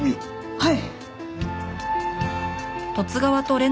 はい！